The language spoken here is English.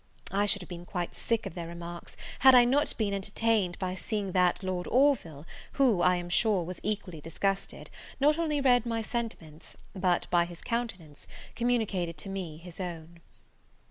I should have been quite sick of their remarks, had I not been entertained by seeing that Lord Orville, who, I am sure, was equally disgusted, not only read my sentiments, but, by his countenance, communicated to me his own.